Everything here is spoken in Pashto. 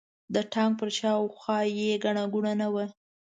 د تانک په شا او خوا کې ګڼه ګوڼه نه وه.